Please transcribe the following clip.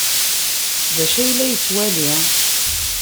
D acu ay la yettwali?